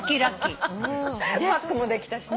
パックもできたしね。